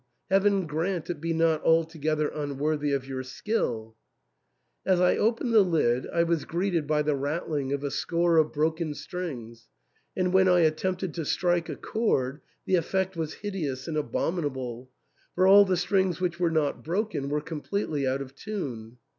Heaven grant it be not altogether unworthy of your skill !" As I opened the lid I was greeted by the rattling of a score of broken strings, and when I attempted to strike a chord, the effect was hideous and abominable, for all the strings which were not broken were completely out of tune.